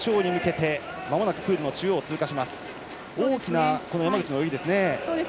大きな山口の泳ぎです。